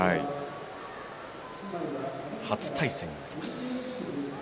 初対戦となります。